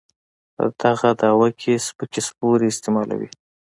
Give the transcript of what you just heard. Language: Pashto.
په دغه دعوه کې سپکې سپورې استعمالوي.